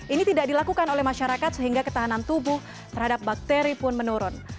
ini tidak dilakukan oleh masyarakat sehingga ketahanan tubuh terhadap bakteri pun menurun